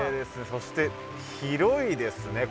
そして広いですね